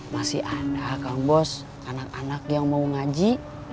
masih ada kang bos anak anak yang mau ngaji